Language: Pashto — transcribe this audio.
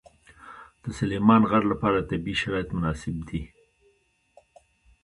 د سلیمان غر لپاره طبیعي شرایط مناسب دي.